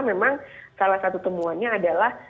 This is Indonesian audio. memang salah satu temuannya adalah